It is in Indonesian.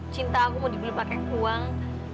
cinta aku mau dibeli pakai uang